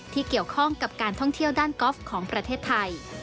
ที่เกี่ยวข้องกับการท่องเที่ยวด้านกอล์ฟของประเทศไทย